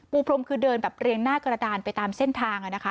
พรมคือเดินแบบเรียงหน้ากระดานไปตามเส้นทางนะคะ